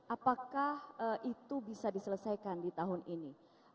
apakah itu bisa diselesaikan di tahun ini